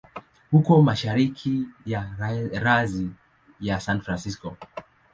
Uko mashariki ya rasi ya San Francisco.